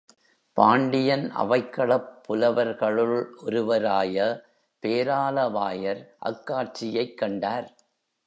பாண்டியன் அவைக்களப் புலவர்களுள் ஒருவராய பேராலவாயர் அக்காட்சியைக் கண்டார்.